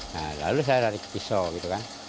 nah lalu saya lari ke pisau gitu kan